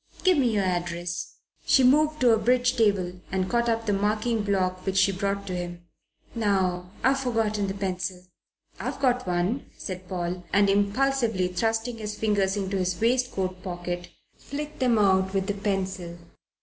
Give me your address." She moved to a bridge table and caught up the marking block, which she brought to him. "Now I've forgotten the pencil." "I've got one," said Paul, and impulsively thrusting his fingers into his waistcoat pocket, flicked them out with the pencil.